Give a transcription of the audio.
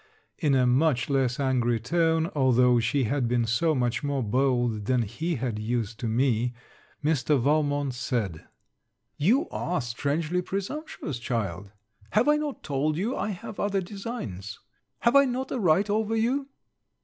In a much less angry tone, although she had been so much more bold, than he had used to me, Mr. Valmont said, 'You are strangely presumptuous, child. Have I not told you, I have other designs. Have I not a right over you?'